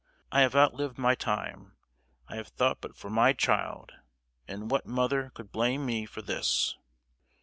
I have outlived my time; I have thought but for my child, and what mother could blame me for this?"